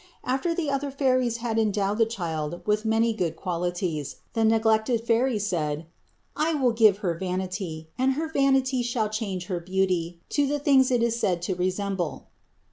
After the other fairies had endowed the child with many good qualities, the neglected fairy said, "I will give her vanity, and her vanity shall change her beauty to the things it is said to resemble."